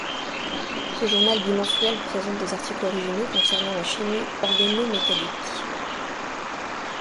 Ce journal bimensuel présente des articles originaux concernant la chimie organométallique.